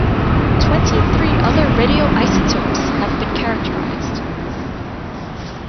Twenty three other radioisotopes have been characterized.